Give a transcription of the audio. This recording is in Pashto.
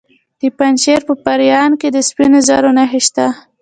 د پنجشیر په پریان کې د سپینو زرو نښې شته.